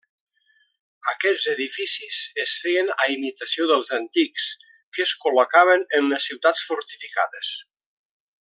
Aquests edificis es feien a imitació dels antics, que es col·locaven en les ciutats fortificades.